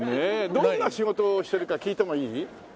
どんな仕事をしてるか聞いてもいい？